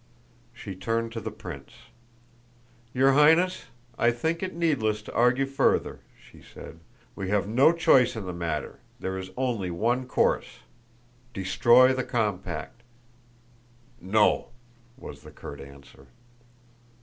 She turned to the prince. "Your Highness, I think it needless to argue further," she said. "We have no choice in the matter; there is only one course destroy the compact." "No!" was the curt answer.